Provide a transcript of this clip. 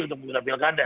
untuk menunda pilkada